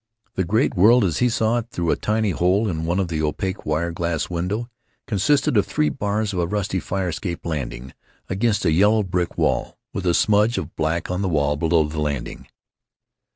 The Great World, as he saw it through a tiny hole in one of the opaque wire glass windows, consisted of three bars of a rusty fire escape landing against a yellow brick wall, with a smudge of black on the wall below the landing.